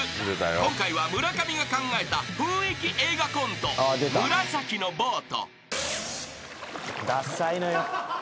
［今回は村上が考えた雰囲気映画コント「紫のボート」］